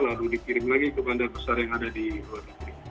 lalu dikirim lagi ke bandar besar yang ada di luar negeri